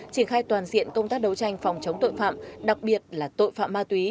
triển khai toàn diện công tác đấu tranh phòng chống tội phạm đặc biệt là tội phạm ma túy